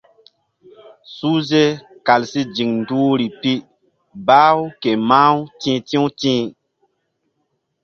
Suhze kal si ziŋ duhri pi bah-u ke mah-u ti̧h ti̧w ti̧h.